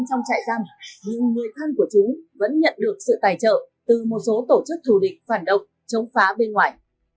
nhưng người thân của chúng vẫn nhận được sự tài trợ từ một số tổ chức thù địch phản động chống phá bên ngoại